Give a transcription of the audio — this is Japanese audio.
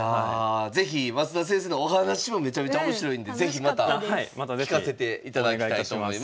是非増田先生のお話もめちゃめちゃ面白いんで是非また聞かせていただきたいと思います。